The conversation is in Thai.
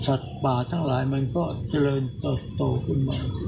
สัตว์ป่าทั้งหลายมันก็เจริญต่อต่อควินมาก